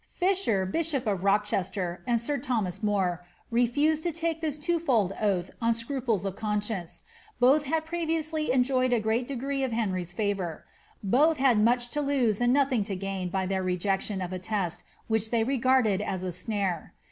JFisher, bishop of Rochester, and sir Thomas More, refused to take thii^wo fold oath on scruples of conscience; both had previously enjoyed a great degree of Henry's favour ; both had much to lose and nothing to gain by their rejection of a test which they regarded as a snare.